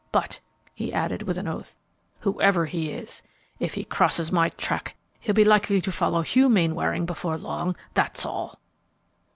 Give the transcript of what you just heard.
But," he added, with an oath, "whoever he is, if he crosses my track he'll be likely to follow Hugh Mainwaring before long, that's all!"